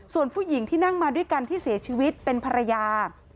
ส่วนผู้หญิงที่นั่งมาด้วยกันที่เสียชีวิตเป็นภรรยา